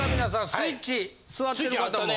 スイッチ座ってる方も。